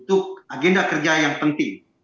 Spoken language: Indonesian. itu agenda kerja yang penting